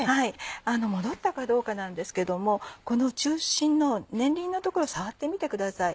もどったかどうかなんですけどもこの中心の年輪の所を触ってみてください。